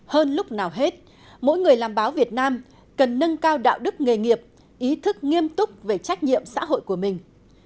hơn lúc nào hết mỗi người làm báo việt nam cần nâng cao đạo đức nghề nghiệp ý thức nghiêm túc về trách nhiệm xã hội của mình